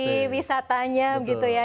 untuk investasi wisatanya begitu ya